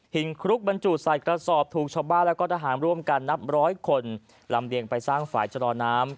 คลุกบรรจุใส่กระสอบถูกชาวบ้านและก็ทหารร่วมกันนับร้อยคนลำเลียงไปสร้างฝ่ายชะลอน้ำ